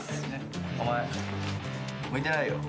お前向いてないよ。